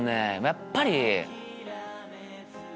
やっぱり。